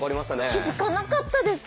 気付かなかったです。